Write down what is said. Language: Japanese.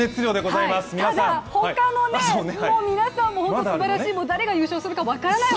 ただ、他の皆さんも本当にすばらしい、誰が優勝するか分からない！